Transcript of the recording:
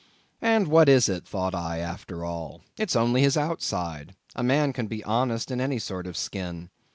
And what is it, thought I, after all! It's only his outside; a man can be honest in any sort of skin.